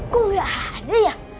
kok nggak ada ya